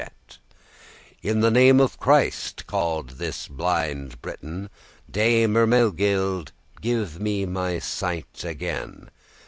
* *shut "In the name of Christ," cried this blind Briton, "Dame Hermegild, give me my sight again!"